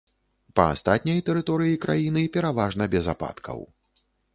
Па астатняй тэрыторыі краіны пераважна без ападкаў.